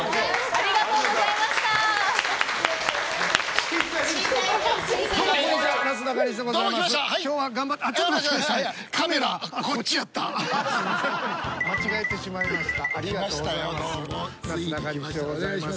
ありがとうございます。